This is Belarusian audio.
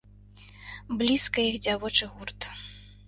Блізка іх дзявочы гурт.